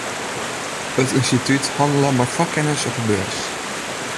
It ynstitút hannele mei foarkennis op 'e beurs.